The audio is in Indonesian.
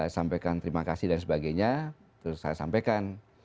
sampaikan terima kasih dan sebagainya terus saya sampaikan